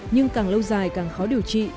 nhưng càng lâu dài càng khó điều trị